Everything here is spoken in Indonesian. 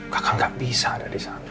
kakak gak bisa ada di sana